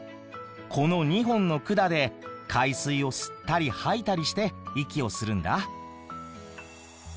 この２本の管で海水を吸ったり吐いたりして息をするんだ。